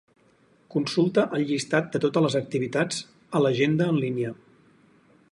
Consulta el llistat de totes les activitats a l'agenda en línia.